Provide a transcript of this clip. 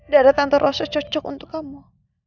darah tante rosak cocok untuk kamu